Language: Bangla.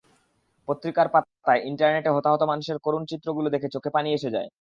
পত্রিকার পাতায়, ইন্টারনেটে হতাহত মানুষের করুণ চিত্রগুলো দেখে চোখে পানি এসে যায়।